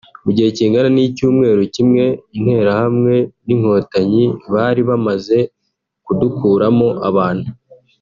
mu gihe kingana n’icyumweru kimwe Interahamwe n’inkotanyi bari bamaze kudukuramo abantu